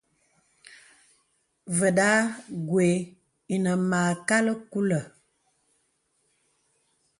Və̀da gwe inə mâkal kulə̀.